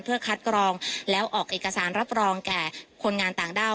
เพื่อคัดกรองแล้วออกเอกสารรับรองแก่คนงานต่างด้าว